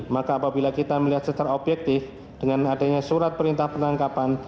maka apabila kita melihat secara objektif dengan adanya surat perintah penangkapan